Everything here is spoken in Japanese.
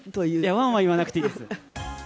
ワンは言わなくていいです。